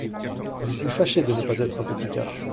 Je suis fâché de ne pas être un peu Picard !